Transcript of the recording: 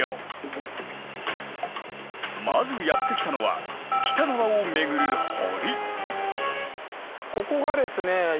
まずやって来たのは北側を巡る堀。